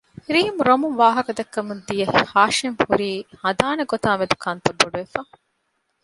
ރީމް ރޮމުން ވާހަކަ ދައްކަމުން ދިޔަ ހާޝިމް ހުރީ ހަދާނެ ގޮތަކާއި މެދު ކަންތައް ބޮޑުވެފަ